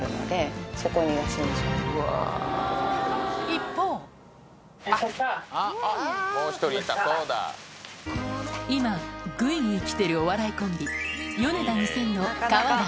一方今グイグイ来てるお笑いコンビ